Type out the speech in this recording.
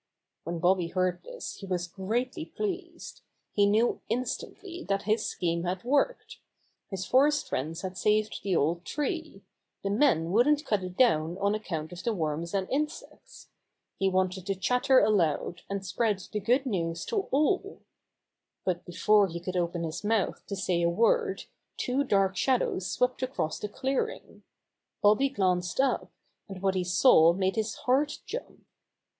When Bobby heard this he was greatly pleased. He knew instantly that his scheme had worked. His forest friends had saved the old tree. The men wouldn't cut it down on account of the worms and insects. He wanted The Birds Try to Save the Tree 71 to chatter aloud, and spread the good news to alh But before he could open his mouth to say a word two dark shadows swept across the clearing. Bobby glanced up, and what he saw made his heart jump.